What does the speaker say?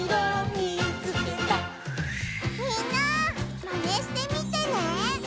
みんなマネしてみてね！